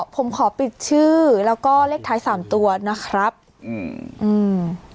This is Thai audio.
ผมขอปิดชื่อแล้วก็เลขท้ายสามตัวนะครับอืมอืม